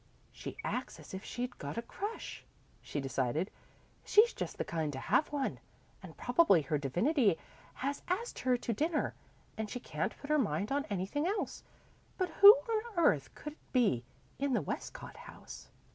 "She acts as if she'd got a crush," she decided. "She's just the kind to have one, and probably her divinity has asked her to dinner, and she can't put her mind on anything else. But who on earth could it be in the Westcott House?"